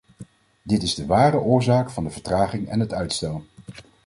Dit is de ware oorzaak van de vertraging en het uitstel.